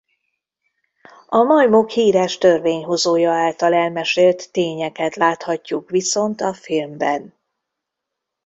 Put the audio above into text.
A majmok híres Törvényhozója által elmesélt tényeket láthatjuk viszont a filmben.